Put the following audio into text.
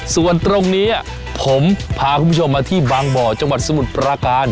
ส่วนตรงนี้ผมพาคุณผู้ชมมาที่บางบ่อจังหวัดสมุทรปราการ